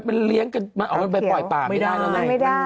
มันเลี้ยงกันเอาไปปล่อยป่าไม่ได้แล้วไหน